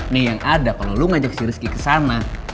nih yang ada kalau lo ngajak si rizky ke sana